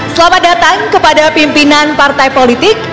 selamat datang kepada pimpinan partai politik